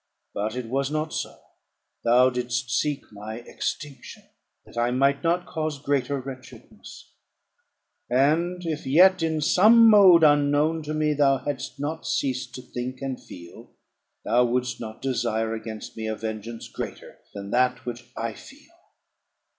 But it was not so; thou didst seek my extinction, that I might not cause greater wretchedness; and if yet, in some mode unknown to me, thou hadst not ceased to think and feel, thou wouldst not desire against me a vengeance greater than that which I feel.